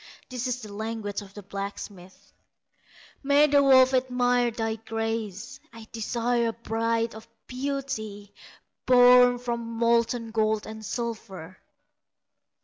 This the language of the blacksmith: "May the wolf admire thy graces; I desire a bride of beauty Born from molten gold and silver!"